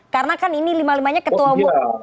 karena kan ini lima limanya ketua umum